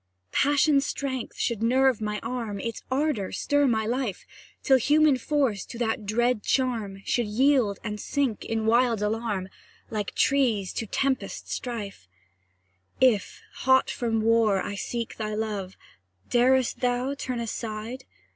Passion's strength should nerve my arm, Its ardour stir my life, Till human force to that dread charm Should yield and sink in wild alarm, Like trees to tempest strife. If, hot from war, I seek thy love, Darest thou turn aside?